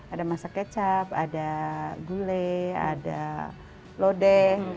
ada masak kecap ada gulai ada lodeh